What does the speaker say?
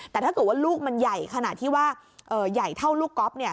แต่ถ้าเกิดว่าลูกมันใหญ่ขนาดที่ว่าใหญ่เท่าลูกก๊อฟ